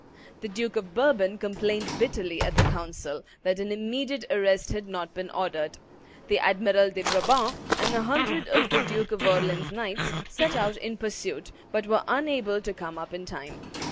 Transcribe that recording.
The Duke of Bourbon complained bitterly at the council that an immediate arrest had not been ordered. The Admiral de Brabant, and a hundred of the Duke of Orleans' knights, set out in pursuit, but were unable to come up in time.